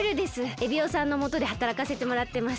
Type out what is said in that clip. エビオさんのもとではたらかせてもらってます。